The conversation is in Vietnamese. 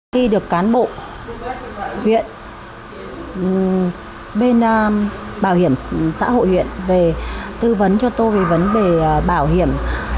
khi được cán bộ huyện bên bảo hiểm xã hội huyện về tư vấn cho tôi về vấn đề bảo hiểm